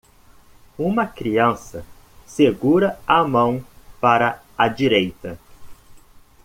Uma criança segura a mão para a direita.